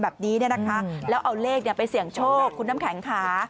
แบบนี้เนาะค่ะแล้วเอาเลขเนี่ยไปเสี่ยงโชคคุณคุณน้ำแข็งขา